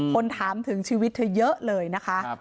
คนถามถึงชีวิตเธอเยอะเลยนะคะ